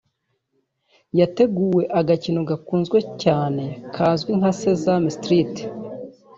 yateguwe agakino gakunzwe cyane kazwi nka Sesame Street